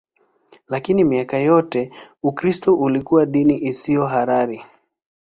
Lakini miaka yote Ukristo ulikuwa dini isiyo halali.